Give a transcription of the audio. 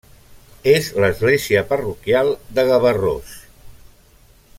És l'església parroquial de Gavarrós.